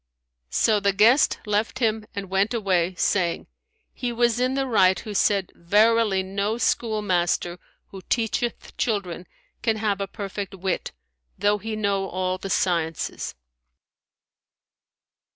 So the guest left him and went away, saying, "He was in the right who said, Verily no schoolmaster who teacheth children can have a perfect wit, though he know all the sciences.'"